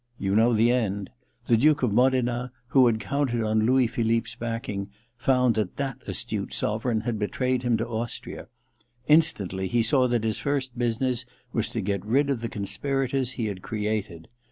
You know the end. The Duke of Modena, who had counted on Louis Philippe's backing, found that that astute sovereign had betrayed him to Austria. Instantly, he saw that his first business was to get rid of the conspirators he had created.